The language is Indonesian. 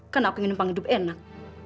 karena aku ingin membangun hidup enak